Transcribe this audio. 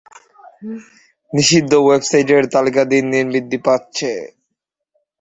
নিষিদ্ধ ওয়েবসাইটের তালিকা দিন দিন বৃদ্ধি পাচ্ছে।